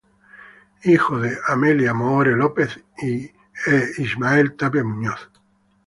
Hijo de Ismael Tapia Muñoz y Amelia Moore López.